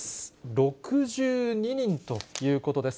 ６２人ということです。